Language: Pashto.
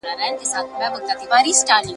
هغه د خپلو مشرانو مشوره تل په پام کې نیوله.